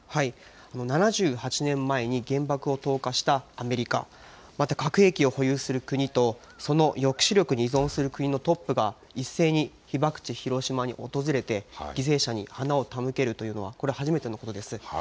７８年前に原爆を投下したアメリカ、また核兵器を保有する国とその抑止力に依存する国のトップが一斉に被爆地、広島に訪れて犠牲者に花を手向けるというのは初めてのことです。